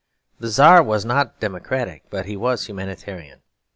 The Czar was not democratic, but he was humanitarian.